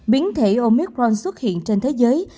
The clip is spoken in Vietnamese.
biến thể omicron xuất hiện trên thế giới